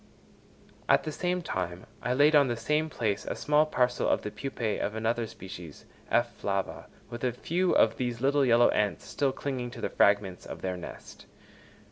At the same time I laid on the same place a small parcel of the pupæ of another species, F. flava, with a few of these little yellow ants still clinging to the fragments of their nest.